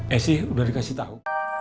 e sih sudah dikasih tau